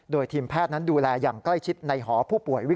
โดยทีมแพทย์นั้นดูแลอย่างใกล้ชิดในหอผู้ป่วย